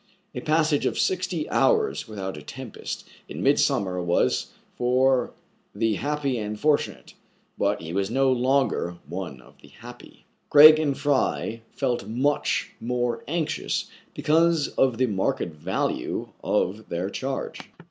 A passage of sixty hours without a tempest in midsummer was for the happy and fortunate ; but he was no longer one of the happy. 200 TRIBULATIONS OF A CHINAMAN. Craig and Fry felt much more anxious, because of the market value of their charge.